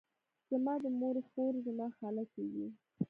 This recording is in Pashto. زما د مور خور، زما خاله کیږي.